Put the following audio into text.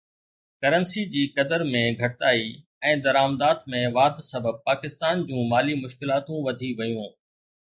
currency جي قدر ۾ گهٽتائي ۽ درآمدات ۾ واڌ سبب پاڪستان جون مالي مشڪلاتون وڌي ويون